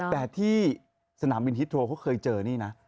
แต่ที่สนามบินฮิตโทรเขาเคยเจอนี่นะ